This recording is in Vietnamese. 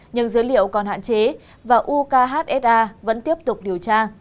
nhưng dữ liệu còn hạn chế và uksa vẫn tiếp tục điều tra